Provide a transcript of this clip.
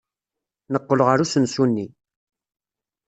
Neqqel ɣer usensu-nni.